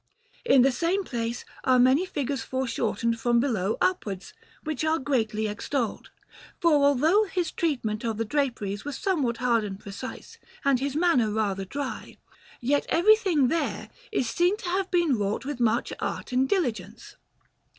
In the same place are many figures foreshortened from below upwards, which are greatly extolled, for although his treatment of the draperies was somewhat hard and precise, and his manner rather dry, yet everything there is seen to have been wrought with much art and diligence.